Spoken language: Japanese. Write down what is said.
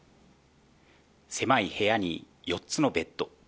狭い部屋に４つのベッド。